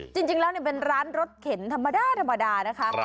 จริงแล้วเป็นร้านรสเข็นธรรมดานะคะ